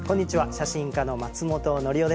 写真家の松本紀生です。